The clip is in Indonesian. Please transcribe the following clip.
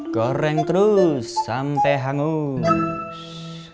goreng terus sampai hangus